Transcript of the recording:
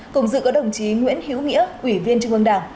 cùng dự có đồng chí nguyễn hiếu nghĩa ủy viên trung ương đảng